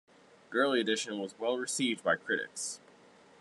"Girly Edition" was well received by critics.